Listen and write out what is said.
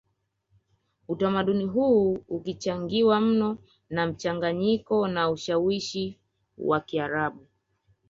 utamaduni huu ukichangiwa mno na mchanganyiko na ushawishi wa Kiarabu